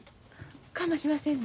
かましませんの？